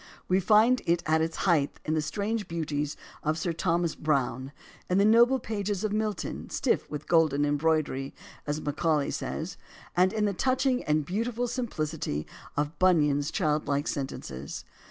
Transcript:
We find it at its height in the strange beauties of Sir Thomas Browne, in the noble pages of Milton, stiff with golden em broidery, as Macaulay says, and in the touching and beautiful simplicity of Bunyan's childlike sentences.